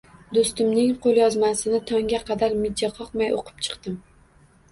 Doʻstimning qoʻlyozmasini tongga qadar mijja qoqmay oʻqib chiqdim.